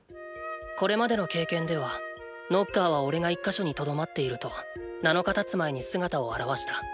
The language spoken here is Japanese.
これまでの経験ではノッカーはおれが１か所に留まっていると７日経つ前に姿を現した。